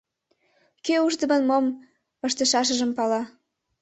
Кӧ ушдымын мом ыштышашыжым пала.